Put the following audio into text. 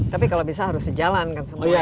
tapi kalau bisa harus sejalan kan semua ya